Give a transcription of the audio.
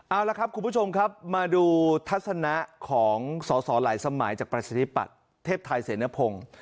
เอาละครับคุณผู้ชมครับมาดูทัศนะของสอสอหลายสมัยจากประชาธิปัตย์เทพไทยเสนพงศ์